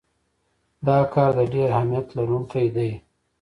دا کار د ډیر اهمیت لرونکی دی.